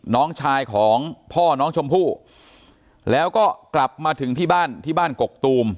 น้องชายของพ่อน้องชมพู่แล้วก็กลับมาถึงที่บ้านที่บ้านกกตูม